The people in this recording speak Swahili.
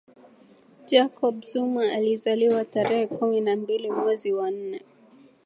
jacob zuma alizaliwa tarehe kumi na mbili mwezi wa nne